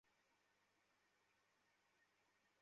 ফলে খালি পায়ে দৃশ্যটির শুটিং করতে গিয়ে পায়ে আঘাতে পান তিনি।